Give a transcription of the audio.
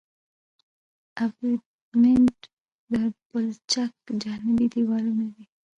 ابټمنټ د پلچک جانبي دیوالونه دي